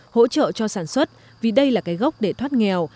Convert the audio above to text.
hỗ trợ cho sản xuất vì đây là cái gốc để thoát nghèo